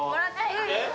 えっ？